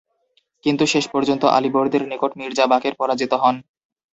কিন্তু শেষ পর্যন্ত আলীবর্দীর নিকট মির্জা বাকের পরাজিত হন।